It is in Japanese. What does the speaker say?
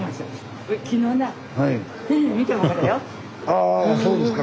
あそうですか。